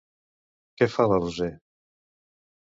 Què fa, la Roser?